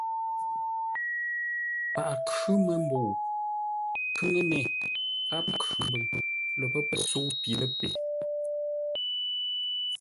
Paghʼə khʉ́ məmbəu. Nkhʉŋəne gháp Nkhʉmbʉŋ lə pə́ pəsə̌u pi ləpe.